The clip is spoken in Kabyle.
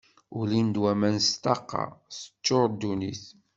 Ulin-d waman s ṭṭaqa, teččuṛ ddunit.